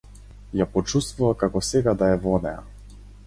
Ја почувствува како сега да е во неа.